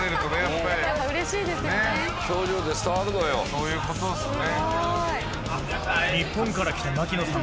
そういうことですね。